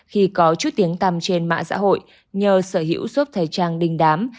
khi có chút tiếng tăm trên mạng xã hội nhờ sở hữu suốt thời trang đinh đám